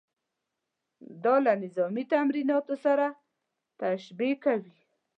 دا له نظامي تمریناتو سره تشبیه کوي.